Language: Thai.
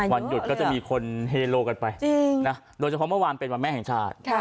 วันหยุดก็จะมีคนเฮโลกันไปโดยเฉพาะเมื่อวานเป็นวันแม่แห่งชาติ